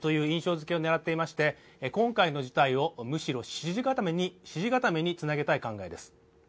づけを狙っていまして、今回の事態をむしろ支持固めにつなげたい考えです。